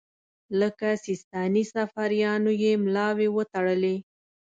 لکه سیستاني صفاریانو یې ملاوې وتړلې.